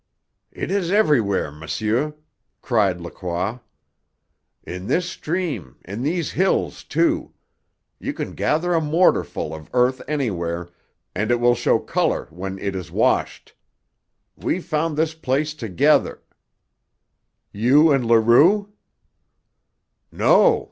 "It is everywhere, monsieur!" cried Lacroix. "In this stream, in these hills, too. You can gather a mortarful of earth anywhere, and it will show colour when it is washed. We found this place together " "You and Leroux?" "No!